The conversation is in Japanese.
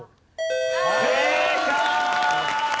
正解！